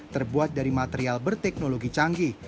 terbuat dari material berteknologi canggih